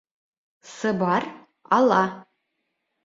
Сыбар, ала